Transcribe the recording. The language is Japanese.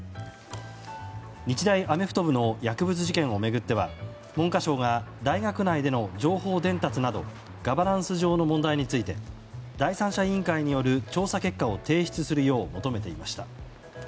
日大アメフト部の薬物事件を巡っては文科省が大学内での情報伝達などガバナンス上の問題について第三者委員会による調査結果を提出するよう求めていました。